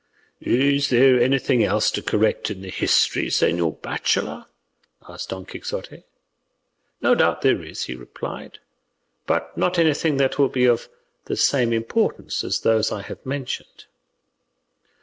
"Is there anything else to correct in the history, señor bachelor?" asked Don Quixote. "No doubt there is," replied he; "but not anything that will be of the same importance as those I have mentioned."